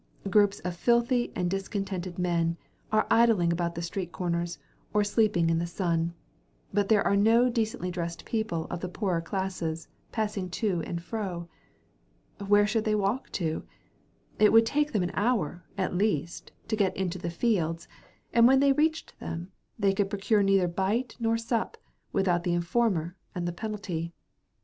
Groups of filthy and discontented looking men, are idling about at the street corners, or sleeping in the sun; but there are no decently dressed people of the poorer class, passing to and fro. Where should they walk to? It would take them an hour, at least, to get into the fields, and when they reached them, they could procure neither bite nor sup, without the informer and the penalty.